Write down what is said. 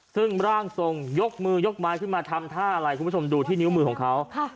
ซึ่งร่างทรงยกมือยกไม้ขึ้นมาทำท่าอะไรคุณผู้ชมดูที่นิ้วมือของเขา